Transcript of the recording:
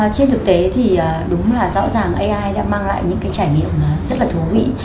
trên thực tế thì đúng là rõ ràng ai đã mang lại những cái trải nghiệm rất là thú vị